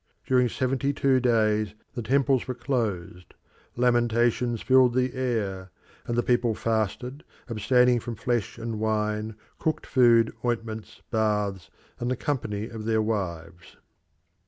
During seventy two days the temples were closed; lamentations filled the air; and the people fasted, abstaining from flesh and wine, cooked food, ointments, baths, and the company of their wives.